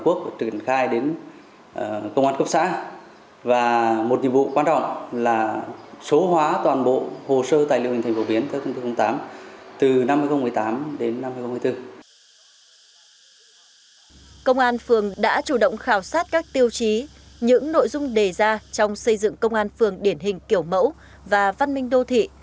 công an phường đã chủ động khảo sát các tiêu chí những nội dung đề ra trong xây dựng công an phường điển hình kiểu mẫu và văn minh đô thị